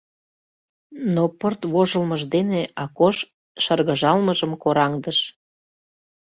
Но пырт вожылмыж дене Акош шыргыжалмыжым кораҥдыш.